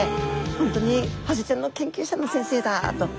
本当にハゼちゃんの研究者の先生だと。